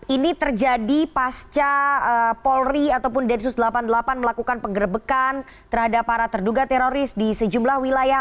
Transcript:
ini terjadi pasca polri ataupun densus delapan puluh delapan melakukan penggerbekan terhadap para terduga teroris di sejumlah wilayah